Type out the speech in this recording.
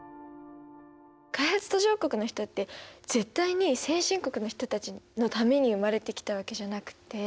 開発途上国の人って絶対に先進国の人たちのために生まれてきたわけじゃなくって。